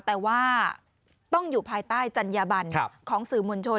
แต่ว่าต้องอยู่ภายใต้จัญญาบันของสื่อมวลชน